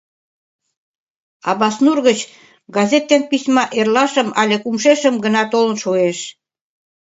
Абаснур гыч газет ден письма эрлашым але кумшешым гына толын шуэш.